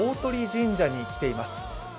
鷲神社に来ています。